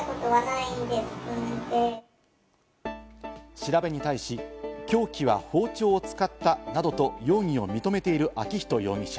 調べに対し、凶器は包丁を使ったなどと容疑を認めている昭仁容疑者。